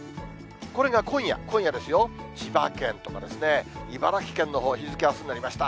これが今夜、今夜ですよ、千葉県とか茨城県のほう、日付あすになりました。